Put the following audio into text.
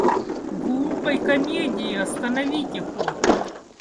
Глупой комедии остановите ход!